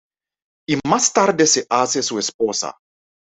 Y más tarde se hace su esposa.